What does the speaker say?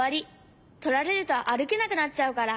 とられるとあるけなくなっちゃうから。